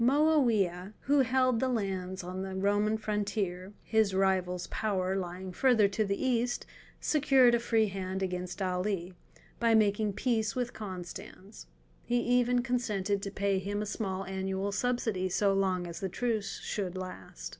Moawiah, who held the lands on the Roman frontier—his rival's power lying further to the east—secured a free hand against Ali, by making peace with Constans. He even consented to pay him a small annual subsidy so long as the truce should last.